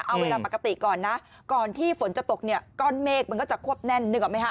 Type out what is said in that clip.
เอาเวลาปกติก่อนนะก่อนที่ฝนจะตกเนี่ยก้อนเมฆมันก็จะควบแน่นนึกออกไหมฮะ